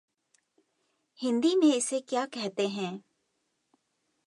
हिंदी में इसे क्या कहते हैं